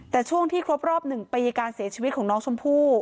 แต่ช่วงที่ครบรอบ๑ปีการเสียชีวิตของน้องชมพู่